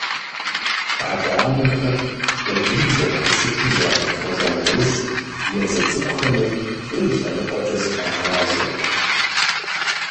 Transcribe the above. Адэ-анэхэм сабийм зэрыхущытым зрагъэхъуэжа нэужь, езы цӀыкӀухэми фӀы и лъэныкъуэкӀэ зыкъагъазэ.